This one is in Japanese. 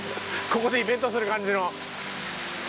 ここでイベントする感じの。